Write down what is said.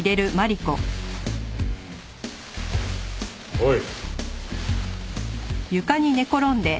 おい。